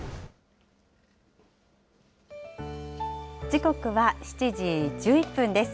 時刻は７時１１分です。